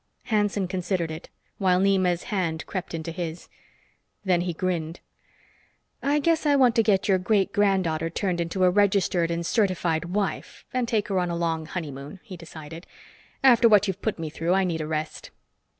Hanson considered it, while Nema's hand crept into his. Then he grinned. "I guess I want to get your great granddaughter turned into a registered and certified wife and take her on a long honeymoon," he decided. "After what you've put me through, I need a rest."